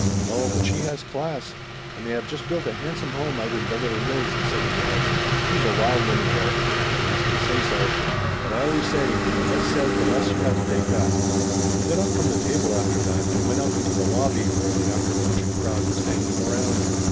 "No, but she has class, and they have just built a handsome home out in Beverly Hills," says Adele. "She's a wild woman, though. At least they say sp. But I always say 'The less said the less you have to take back.' " We got up from the table after that and went out into the lobby where the after luncheon crowd was hanging around.